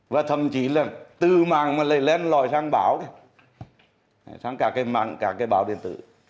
và thậm chí là từ mạng mà lên lòi sang báo sang cả cái mạng cả cái báo điện tử